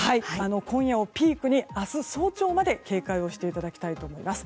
今夜をピークに明日早朝まで警戒をしていただきたいと思います。